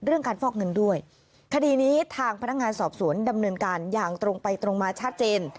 การฟอกเงินด้วยคดีนี้ทางพนักงานสอบสวนดำเนินการอย่างตรงไปตรงมาชัดเจน